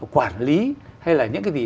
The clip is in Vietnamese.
quản lý hay là những cái gì